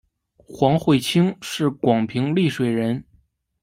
黄晦卿是广平丽水人。